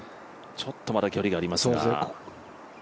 ちょっとまだ距離がありますが。